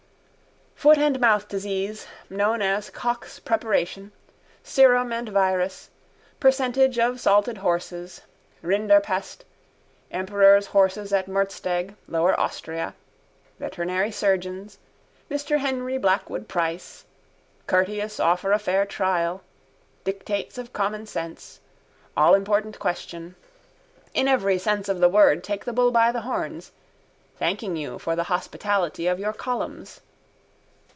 Foot and mouth disease. Known as Koch's preparation. Serum and virus. Percentage of salted horses. Rinderpest. Emperor's horses at Mürzsteg, lower Austria. Veterinary surgeons. Mr Henry Blackwood Price. Courteous offer a fair trial. Dictates of common sense. Allimportant question. In every sense of the word take the bull by the horns. Thanking you for the hospitality of your columns.